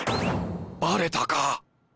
バレたか！